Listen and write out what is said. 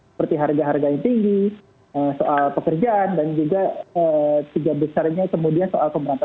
seperti harga harganya tinggi soal pekerjaan dan juga tiga besarnya kemudian soal pemerintah